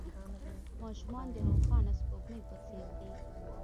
ماشومان د روښانه سپوږمۍ په څېر دي.